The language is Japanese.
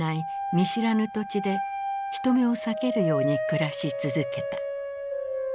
見知らぬ土地で人目を避けるように暮らし続けた。